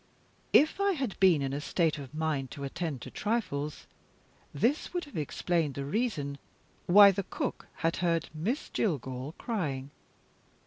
If I had been in a state of mind to attend to trifles, this would have explained the reason why the cook had heard Miss Jillgall crying.